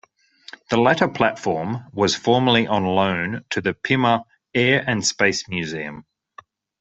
The latter platform was formerly on loan to the Pima Air and Space Museum.